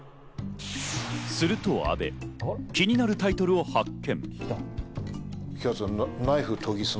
すると阿部、気になるタイトルを発見。